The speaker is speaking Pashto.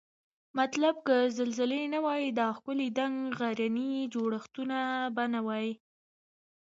مطلب که زلزلې نه وای دا ښکلي دنګ غرني جوړښتونه به نوای